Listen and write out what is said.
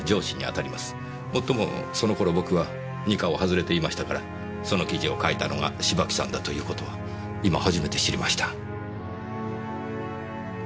もっともその頃僕は二課を外れていましたからその記事を書いたのが芝木さんだという事は今初めて知りました。